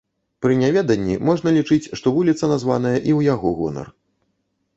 Пры няведанні, можна лічыць, што вуліца названая і ў яго гонар.